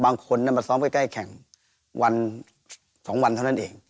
บางคนมาซ้อมใกล้แข่งวัน๒วันเท่านั้นเอง